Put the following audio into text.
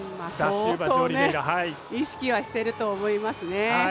相当、意識はしてると思いますね。